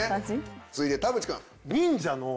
続いて田渕君。